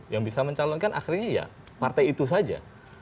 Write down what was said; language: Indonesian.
yang bisa mencalonkan akhirnya ya partai itu saja